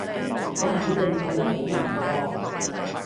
我肯定佢都好難過